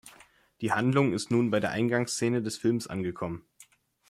Die Handlung ist nun bei der Eingangsszene des Films angekommen.